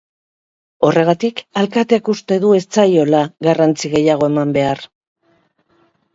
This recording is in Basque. Horregatik, alkateak uste du ez zaiola garrantzi gehiago eman behar.